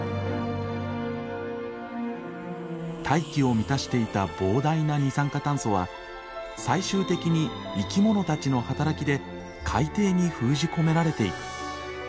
大気を満たしていた膨大な二酸化炭素は最終的に生き物たちの働きで海底に封じ込められていく。